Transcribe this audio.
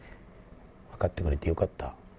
分かってくれてよかった。